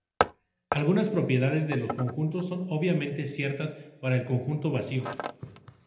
Algunas propiedades de los conjuntos son obviamente ciertas para el conjunto vacío.